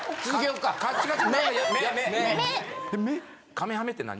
カメハメって何？